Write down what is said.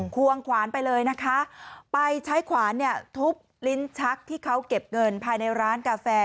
ควงขวานไปเลยนะคะไปใช้ขวานเนี่ยทุบลิ้นชักที่เขาเก็บเงินภายในร้านกาแฟ